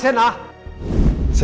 sena balik sena